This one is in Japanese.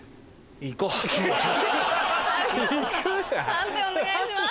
判定お願いします。